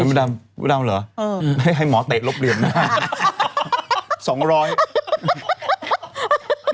แม่มีดำดำไม่ได้ให้หมอเตะรบเหรียมนะ